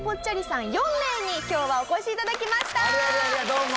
どうも。